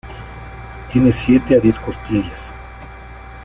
Tiene siete a diez costillas.